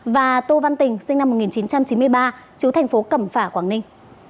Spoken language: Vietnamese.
và tô văn tình sinh năm một nghìn chín trăm chín mươi ba chú thành phố cẩm phả quảng ninh